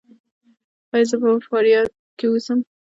ایا زه باید په فاریاب کې اوسم؟